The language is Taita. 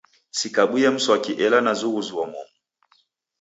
Sikabie mswaki ela nazughuzua momu.